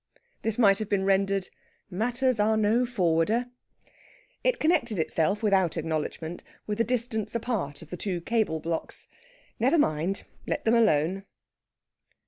This might have been rendered, "Matters are no forwarder." It connected itself (without acknowledgment) with the distance apart of the two cable blocks. Never mind; let them alone!